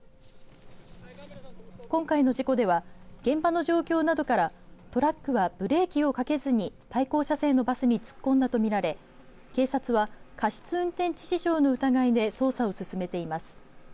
今回の事故では現場の状況などからトラックはブレーキをかけずに対向車線のバスに突っ込んだと見られ警察は過失運転致死傷の疑いで捜査を進めています。